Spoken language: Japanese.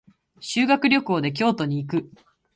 修学旅行で京都に行く。